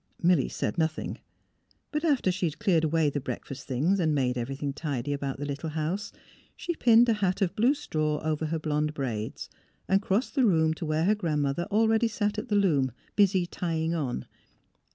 Milly said nothing, but after she had cleared away the breakfast things and made everything tidy about the little house she pinned a hat of blue straw over her blond braids, and crossed tlie room to where her Grandmother already sat at the loom, busy '' tying on."